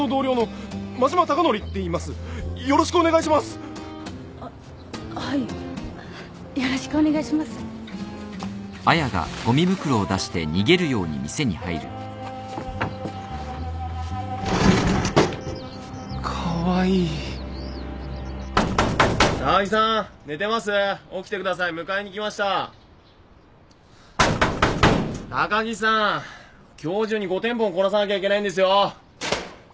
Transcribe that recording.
高木さん今日中に５店舗もこなさなきゃいけないんですよ。